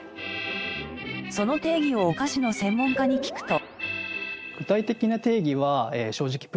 その定義をお菓子の専門家に聞くと。